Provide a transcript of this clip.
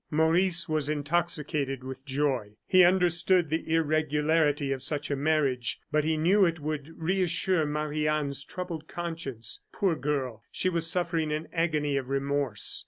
Maurice was intoxicated with joy. He understood the irregularity of such a marriage, but he knew it would reassure Marie Anne's troubled conscience. Poor girl! she was suffering an agony of remorse.